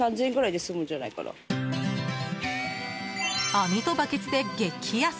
網とバケツで激安！